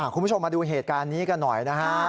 คุณผู้ชมมาดูเหตุการณ์นี้กันหน่อยนะฮะ